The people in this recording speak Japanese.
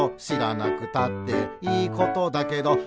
「しらなくたっていいことだけど」